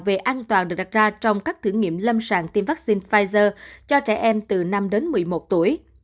về an toàn được đặt ra trong các thử nghiệm lâm sàng tiêm vaccine pfizer cho trẻ em từ năm đến một mươi một tuổi